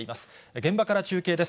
現場から中継です。